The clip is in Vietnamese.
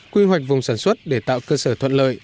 quy hoạch vùng sản xuất để tạo cơ sở thuận lợi